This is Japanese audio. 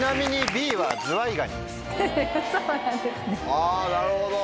あなるほど！